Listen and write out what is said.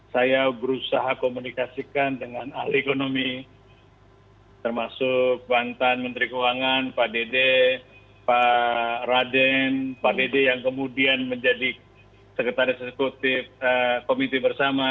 saya berusaha komunikasikan dengan ahli ekonomi termasuk bantan menteri keuangan pak dede pak raden pak dede yang kemudian menjadi sekretaris eksekutif komiti bersama